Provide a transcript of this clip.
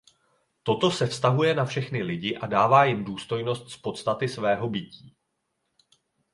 Toto se vztahuje na všechny lidi a dává jim důstojnost z podstaty svého bytí.